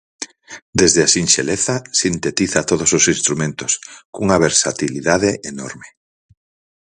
Desde a sinxeleza, "sintetiza todos os instrumentos", cunha versatilidade enorme.